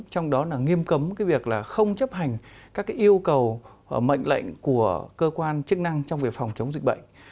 trong đó là nghiêm cấm cái việc là không chấp hành các yêu cầu mệnh lệnh của cơ quan chức năng trong việc phòng chống dịch bệnh